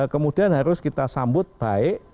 kemudian harus kita sambut baik